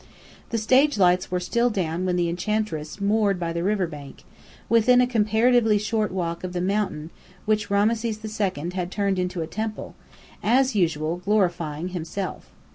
The stage lights were still down when the Enchantress moored by the river bank, within a comparatively short walk of the mountain which Rameses II had turned into a temple, as usual glorifying himself.